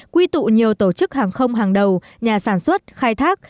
quy tụ nhiều tổ chức hàng không hàng đầu nhà sản xuất khai thác